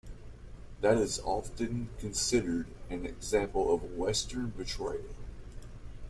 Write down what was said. That is often considered an example of Western betrayal.